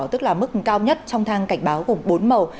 tức là mức cao nhất trong thang cảnh báo gồm bốn màu